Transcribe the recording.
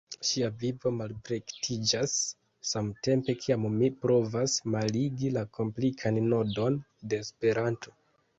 Ŝia vivo malplektiĝas samtempe kiam ŝi provas malligi la komplikan nodon de Esperanto.